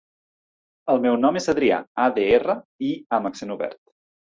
El meu nom és Adrià: a, de, erra, i, a amb accent obert.